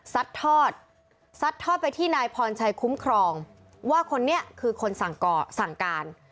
ทอดซัดทอดไปที่นายพรชัยคุ้มครองว่าคนนี้คือคนสั่งการ